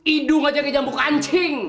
idung aja kejam bukancing